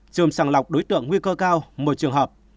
trường sàng lọc đối tượng nguy cơ cao một trường hợp